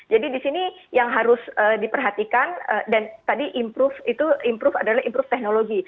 jadi di sini yang harus diperhatikan dan tadi improve itu improve adalah improve teknologi